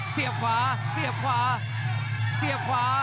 เสียบขวาเสียบขวาเสียบขวา